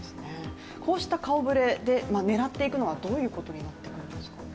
こうした顔ぶれで狙っていくのはどういうことになっていくんでしょうか。